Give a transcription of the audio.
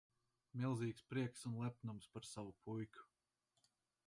Milzīgs prieks un lepnums par savu puiku.